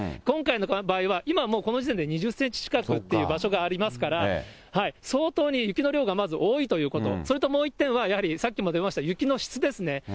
今回の場合は、今もう、この時点で２０センチ近くという場所がありますから、相当に雪の量がまず多いということ、それともう一点は、やはりさっきも出ました、雪の質ですね。